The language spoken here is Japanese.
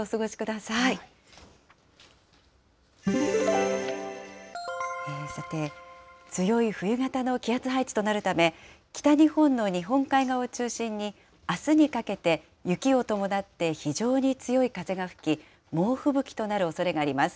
さて、強い冬型の気圧配置となるため、北日本の日本海側を中心に、あすにかけて雪を伴って非常に強い風が吹き、猛吹雪となるおそれがあります。